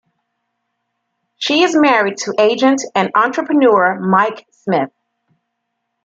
She is married to agent and entrepreneur Mike Smith.